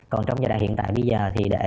còn trong giai đoạn hiện tại bây giờ thì để